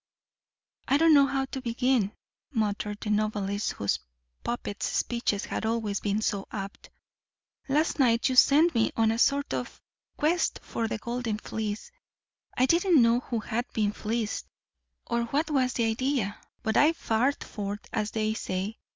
"I don't know how to begin," muttered the novelist whose puppets' speeches had always been so apt. "Last night you sent me on a sort of quest for the golden fleece. I didn't know who had been fleeced, or what the idea was. But I fared forth, as they say.